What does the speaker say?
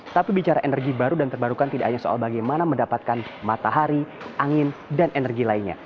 tapi bicara energi baru dan terbarukan tidak hanya soal bagaimana mendapatkan matahari angin dan energi lainnya